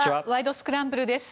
スクランブル」です。